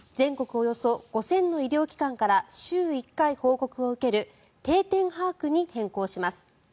およそ５０００の医療機関から週１回報告を受ける定点把握に変更します。